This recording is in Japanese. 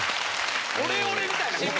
オレオレみたいな。